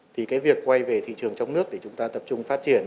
thì cái việc quay về thị trường trong nước để chúng ta tập trung phát triển